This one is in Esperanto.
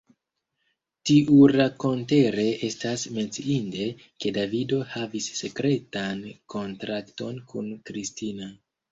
Tiurakontere estas menciinde, ke Davido havis sekretan kontrakton kun Kristina.